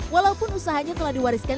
walaupun usahanya telah diwariskan